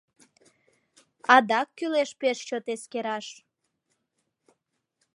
Адак кӱлеш пеш чот эскераш: